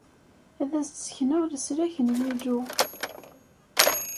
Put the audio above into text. Ad as-d-ssekneɣ leslak n Yillu.